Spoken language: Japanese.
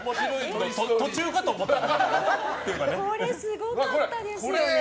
これ、すごかったですよね。